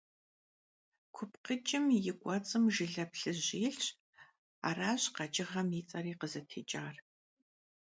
КупкъыкӀым и кӀуэцӀым жылэ плъыжь илъщ, аращ къэкӀыгъэм и цӀэри къызытекӀар.